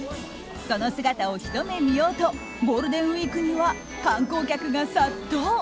その姿をひと目見ようとゴールデンウィークには観光客が殺到。